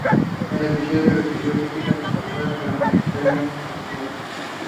He practiced law in Bolivar County for sixty years.